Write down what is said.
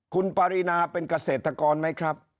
คุณปารีนาเป็นเกษตรกรไหมครับ